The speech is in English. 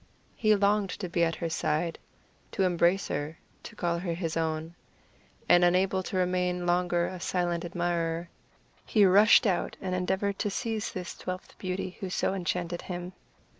He longed to be at her side, to embrace her, to call her his own; and unable to remain longer a silent admirer, he rushed out and endeavored to seize this twelfth beauty who so enchanted him.